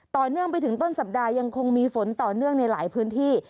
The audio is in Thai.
ต่อเนื่องไปถึงต้นสัปดาห์ยังคงมีฝนต่อเนื่องในหลายพื้นที่